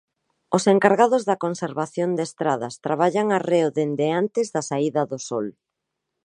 Os encargados da conservación de estradas traballan arreo dende antes da saída do sol.